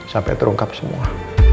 sampai terungkap semua